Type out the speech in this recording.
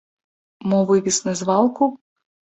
Мо вывез на звалку?